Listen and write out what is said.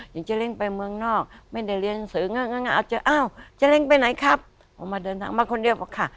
ยังจะเร่งไปเมืองนอกไม่ได้เรียนหนังสืออาจจะอ้าวเจ๊เล้งไปไหนครับออกมาเดินทางมาคนเดียวบอกค่ะ